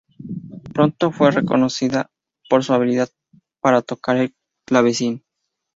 Pronto fue conocida por su habilidad para tocar el clavecín.